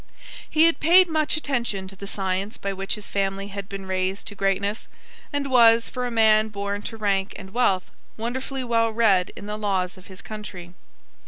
He had paid much attention to the science by which his family had been raised to greatness, and was, for a man born to rank and wealth, wonderfully well read in the laws of his country.